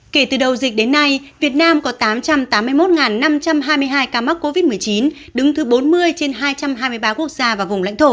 kể từ đầu dịch đến nay việt nam có tám trăm tám mươi một năm trăm hai mươi hai ca mắc covid một mươi chín đứng thứ bốn mươi trên hai trăm hai mươi ba quốc gia và vùng lãnh thổ